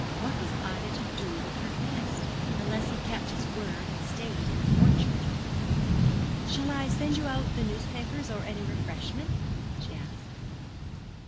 What was Ida to do with her guest, unless he kept his word and stayed in the orchard? 'Shall I send you out the newspapers, or any refreshment?' she asked.